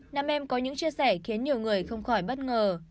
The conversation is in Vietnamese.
nam em có những chia sẻ khiến nhiều người không khỏi bất ngờ